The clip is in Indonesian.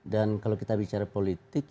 dan kalau kita bicara politik